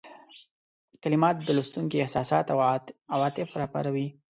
کلمات د لوستونکي احساسات او عواطف را وپاروي.